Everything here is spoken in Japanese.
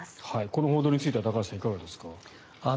この報道については高橋さん、いかがですか。